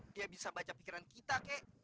dia bisa baca pikiran kita kek